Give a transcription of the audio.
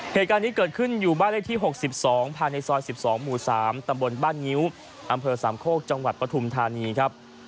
เหตุการณ์นี้เกิดขึ้นอยู่บ้านเลขที่๖๒ภายในซอย๑๒หมู่๓ตำบลบ้านงิ้วอำเภอสามโคกจังหวัดปฐุมธานีครับ